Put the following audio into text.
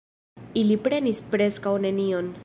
Ili prenis preskaŭ nenion.